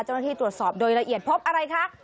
เจ้าหน้าที่ตรวจสอบโดยละเอียดพบอะไรคะ